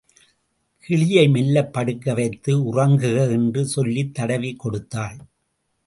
கிளியை மெல்லப் படுக்க வைத்து, உறங்குக என்று சொல்லித் தடவிக் கொடுத்தாள்.